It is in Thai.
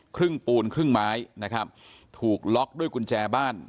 ปูนครึ่งไม้นะครับถูกล็อกด้วยกุญแจบ้าน